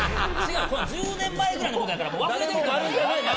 １０年前ぐらいのことやからもう忘れてると思う。